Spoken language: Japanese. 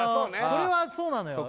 それはそうなのよ